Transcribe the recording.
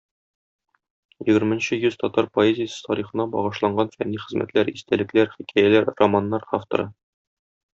Егерменче йөз татар поэзиясе тарихына багышланган фәнни хезмәтләр, истәлекләр, хикәяләр, романнар авторы.